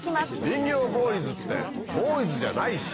林業ボーイズってボーイズじゃないし！